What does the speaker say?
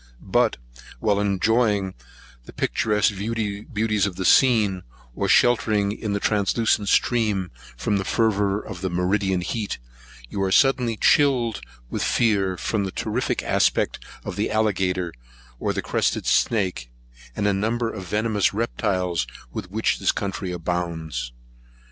But, while enjoying the picturesque beauties of the scene, or sheltering in the translucent stream from the fervour of meridian heat, you are suddenly chilled with fear, from the terrific aspect of the alligator, or crested snake, and a number of venomous reptiles, with which this country abounds.